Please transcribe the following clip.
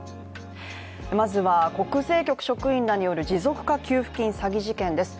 まずは国税局職員らによる持続化給付金詐欺事件です。